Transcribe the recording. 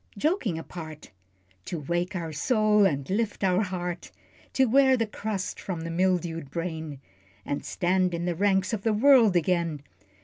Joking apart To wake our soul, and lift our heart, To wear the crust from the mildewed brain, And stand in the ranks of the world again.